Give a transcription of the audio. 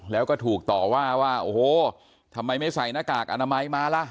แล้วก็ถูกต่อว่าว่าโอ้โหทำไมไม่ใส่หน้ากากอนามัยมาล่ะ